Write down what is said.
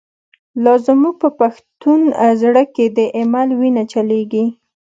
لا زمونږ په پښتون زړه کی، « د ایمل» وینه چلیږی